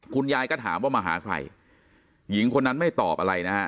คุณยายก็ถามว่ามาหาใครหญิงคนนั้นไม่ตอบอะไรนะฮะ